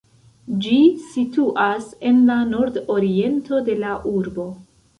Ĝi situas en la nordoriento de la urbo.